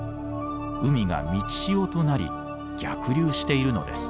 海が満ち潮となり逆流しているのです。